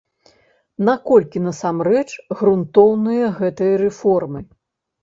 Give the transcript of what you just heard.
Наколькі насамрэч грунтоўныя гэтыя рэформы?